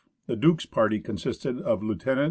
The Duke's party consisted of Lieut.